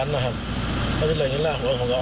มันมันวันนะครับเพราะเต็มเลยจุดล่ะอ่ะของกับ